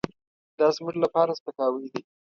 دازموږ لپاره سپکاوی دی .